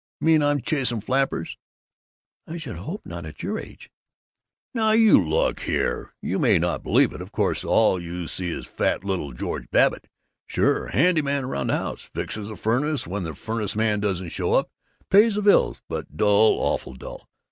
Mean I'm chasing flappers?" "I should hope not at your age!" "Now you look here! You may not believe it Of course all you see is fat little Georgie Babbitt. Sure! Handy man around the house! Fixes the furnace when the furnace man doesn't show up, and pays the bills, but dull, awful dull!